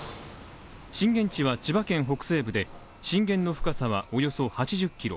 震源地は千葉県北西部で震源の深さはおよそ８０ｋｍ。